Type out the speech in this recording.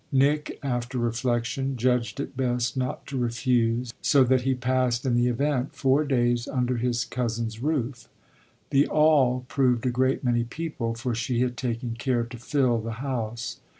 Nick, after reflexion, judged it best not to refuse, so that he passed, in the event, four days under his cousin's roof. The "all" proved a great many people, for she had taken care to fill the house.